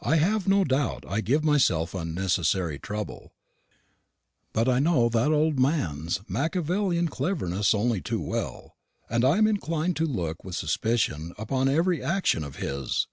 I have no doubt I give myself unnecessary trouble; but I know that old man's Machiavellian cleverness only too well; and I am inclined to look with suspicion upon every action of his.